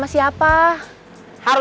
tete aku mau